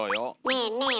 ねえねえ